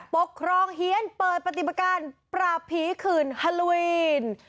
ปกครองเฮียนเปิดปฏิบัติการปราบผีคืนฮาโลวีน